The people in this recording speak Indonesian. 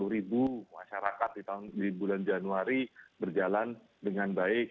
sepuluh ribu masyarakat di bulan januari berjalan dengan baik